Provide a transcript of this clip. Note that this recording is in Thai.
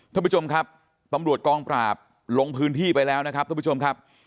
ท่านผู้ชมครับตำรวจกองปราบลงพื้นที่ไปแล้วนะครับท่านผู้ชมครับ